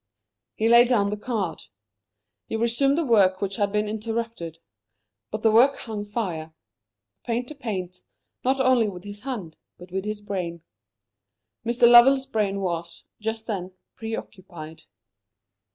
He laid down the card. He resumed the work which had been interrupted. But the work hung fire. A painter paints, not only with his hand, but with his brain. Mr. Lovell's brain was, just then, preoccupied.